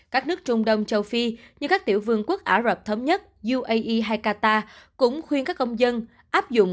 các nước trung đông châu phi như các tiểu vương quốc ả rập thống nhất uae hay qatar cũng khuyên các công dân áp dụng